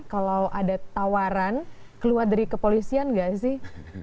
kalau ada tawaran keluar dari kepolisian nggak sih